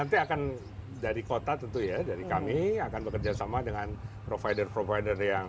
nanti akan dari kota tentu ya dari kami akan bekerjasama dengan provider provider ya